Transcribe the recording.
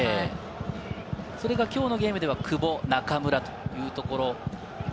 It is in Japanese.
それがきょうのゲームでは久保、中村というところ。